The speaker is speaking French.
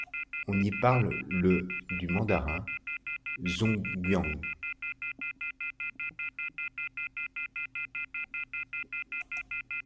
On y parle le du mandarin zhongyuan.